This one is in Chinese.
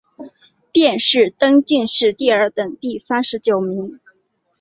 殿试登进士第二甲第三十九名。